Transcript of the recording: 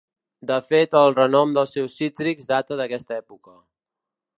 De fet el renom dels seus cítrics data d’aquesta època.